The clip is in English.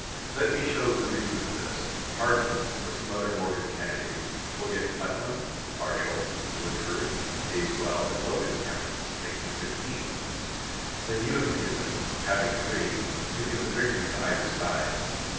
Let me show the reason of this. Hardin, or some other Morgan candidate, will get Putnam, Marshall, Woodford, Tazewell, and Logan [counties], making sixteen. Then you and Mason, having three, can give the victory to either side.